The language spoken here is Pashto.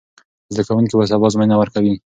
زده کوونکي به سبا ازموینه ورکوي.